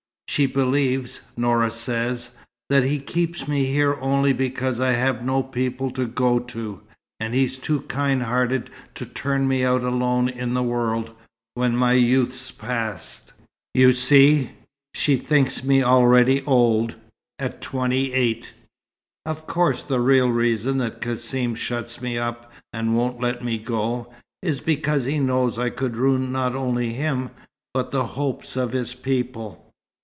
She believes Noura says that he keeps me here only because I have no people to go to, and he's too kind hearted to turn me out alone in the world, when my youth's past. You see she thinks me already old at twenty eight! Of course the real reason that Cassim shuts me up and won't let me go, is because he knows I could ruin not only him, but the hopes of his people.